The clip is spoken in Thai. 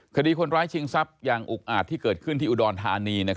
คดีคนร้ายชิงทรัพย์อย่างอุกอาจที่เกิดขึ้นที่อุดรธานี